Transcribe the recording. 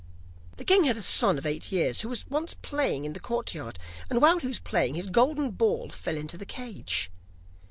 The king had a son of eight years, who was once playing in the courtyard, and while he was playing, his golden ball fell into the cage.